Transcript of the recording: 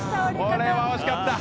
これは惜しかった。